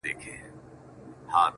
ځان دي هسي کړ ستومان په منډه منډه!.